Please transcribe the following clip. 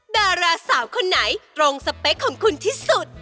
ดาราสาวคนไหนตรงสเปคของคุณที่สุด